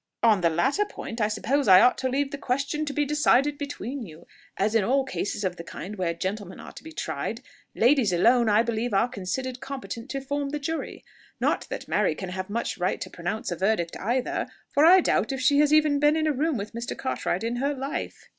"On the latter point I suppose I ought to leave the question to be decided between you, as in all cases of the kind where gentlemen are to be tried, ladies alone, I believe, are considered competent to form the jury; not that Mary can have much right to pronounce a verdict either, for I doubt if she has ever been in a room with Mr. Cartwright in her life."